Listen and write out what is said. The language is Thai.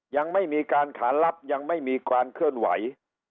ยังไม่มีการขาลับยังไม่มีความเคลื่อนไหว